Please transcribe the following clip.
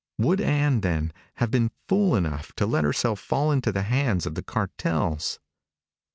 Would Ann, then, have been fool enough to let herself fall into the hands of the cartels?